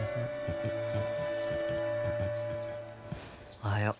・おはよう。